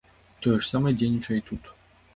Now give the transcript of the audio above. Тое ж самае дзейнічае і тут.